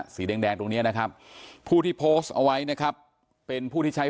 สีแดงตรงนี้นะครับผู้ที่โพสต์เอาไว้นะครับเป็นผู้ที่ใช้